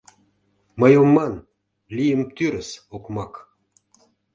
Мый ом ман: лийым тӱрыс окмак